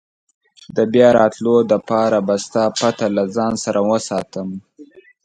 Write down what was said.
د بیا راتلو لپاره به ستا پته له ځان سره وساتم.